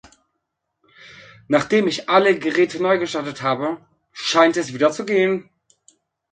Nachdem ich alle Geräte neugestartet habe, scheint es wieder zu gehen.